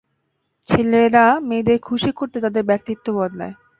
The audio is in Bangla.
ছেলেরা মেয়েদের খুশি করতে তাদের ব্যক্তিত্ব বদলায়।